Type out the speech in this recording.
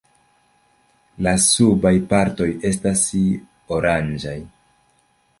La subaj partoj estas oranĝaj.